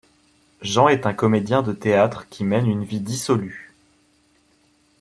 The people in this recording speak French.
Jean est un comédien de théâtre qui mène une vie dissolue.